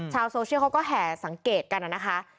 ชาวโซเชียลเขาก็แห่สังเกตกันนะคะ